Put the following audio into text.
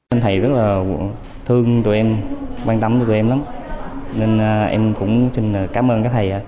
anh thầy rất là thương tụi em quan tâm cho tụi em lắm nên em cũng cảm ơn các thầy